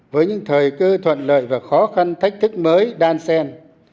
với những thời cơ thuận lợi và khó khăn thách thức mới đan sen